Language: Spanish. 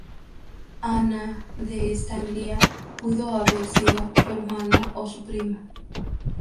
Anna de Estanglia pudo haber sido su hermano, o su primo.